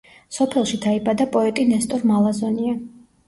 სოფელში დაიბადა პოეტი ნესტორ მალაზონია.